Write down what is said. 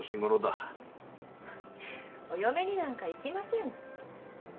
お嫁になんかいきません。